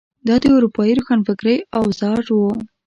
دا د اروپايي روښانفکرۍ اوزار وو.